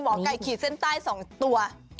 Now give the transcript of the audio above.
ไก่ขีดเส้นใต้๒ตัว